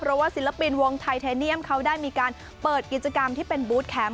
เพราะว่าศิลปินวงไทเทเนียมเขาได้มีการเปิดกิจกรรมที่เป็นบูธแคมป